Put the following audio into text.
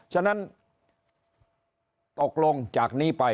ฉะนั้นตกลงจากนี้ไป